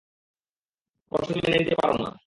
কষ্ট তুমি মেনে নিতে পারো না।